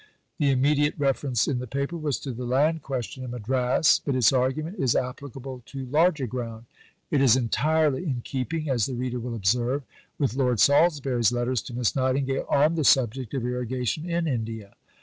The immediate reference in the Paper was to the land question in Madras, but its argument is applicable to larger ground: it is entirely in keeping, as the reader will observe, with Lord Salisbury's letters to Miss Nightingale on the subject of Irrigation in India.